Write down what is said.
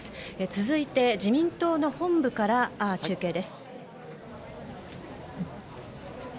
続いて、自民党の本部から中継です。